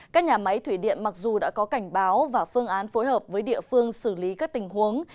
các nhà máy thủy điện mặc dù đã có cảnh báo và phương án phối hợp với địa phương xử lý các tình huống